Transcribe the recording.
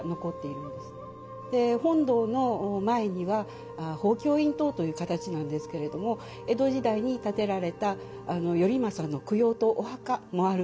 で本堂の前には宝篋印塔という形なんですけれども江戸時代に建てられた頼政の供養塔お墓もあるんです。